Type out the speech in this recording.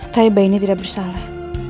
taiba ini tidak bersalah